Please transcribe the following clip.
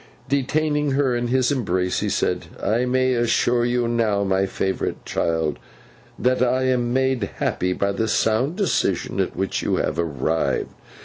Detaining her in his embrace, he said, 'I may assure you now, my favourite child, that I am made happy by the sound decision at which you have arrived.